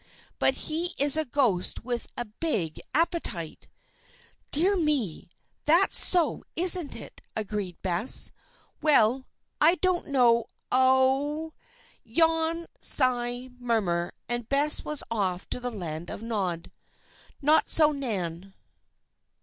But he is a ghost with a big appetite." "Dear me! that's so, isn't it?" agreed Bess. "Well! I don't know ow oo!" Yawn sigh murmur, and Bess was off to the Land of Nod. Not so Nan.